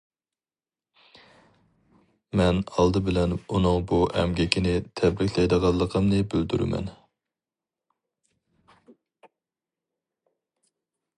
مەن ئالدى بىلەن ئۇنىڭ بۇ ئەمگىكىنى تەبرىكلەيدىغانلىقىمنى بىلدۈرىمەن.